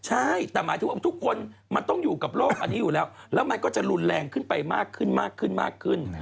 ใช่แต่หมายถึงว่าทุกคนมันต้องอยู่กับโลกอันนี้อยู่แล้วแล้วมันก็จะรุนแรงขึ้นไปมากขึ้นมากขึ้นมากขึ้น